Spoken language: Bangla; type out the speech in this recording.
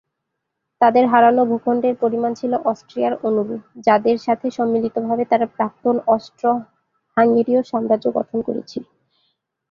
তাদের হারানো ভূখণ্ডের পরিমাণ ছিল অস্ট্রিয়ার অনুরূপ, যাদের সাথে সম্মিলিতভাবে তারা প্রাক্তন অস্ট্রো-হাঙ্গেরীয় সাম্রাজ্য গঠন করেছিল।